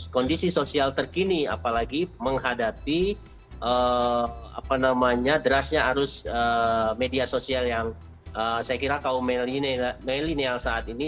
kondisi sosial terkini apalagi menghadapi derasnya arus media sosial yang saya kira kaum milenial saat ini